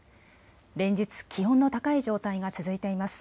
連日、気温の高い状態が続いています。